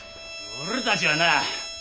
俺たちはなあ